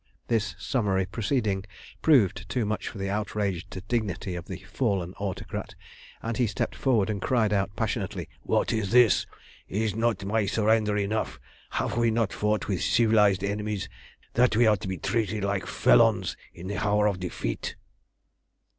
This summary proceeding proved too much for the outraged dignity of the fallen Autocrat, and he stepped forward and cried out passionately "What is this? Is not my surrender enough? Have we not fought with civilised enemies, that we are to be treated like felons in the hour of defeat?"